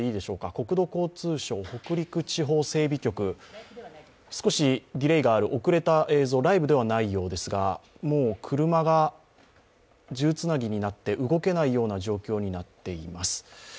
国土交通省北陸地方整備局、少しディレイがある遅れた映像、ライブではないようですがもう車が数珠つなぎになって動けない状況になっています。